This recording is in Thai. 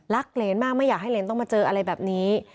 เหรนมากไม่อยากให้เหรนต้องมาเจออะไรแบบนี้